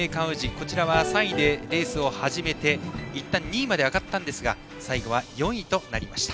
こちらは３位でレースを始めていったん２位まで上がったんですが最後は４位となりました。